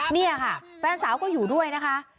นี่ค่ะแฟนสาวก็อยู่ด้วยนะคะ